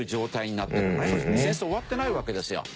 戦争終わってないわけですよ。